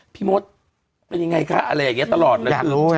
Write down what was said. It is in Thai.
พี่มดเป็นยังไงคะอะไรอย่างเงี้ยตลอดนะ